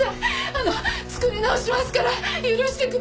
あの作り直しますから許してください！